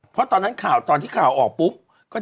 เพราะตอนนั้นข่าวตอนที่ข่าวออกปุ๊บ